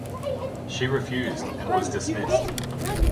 She refused and was dismissed.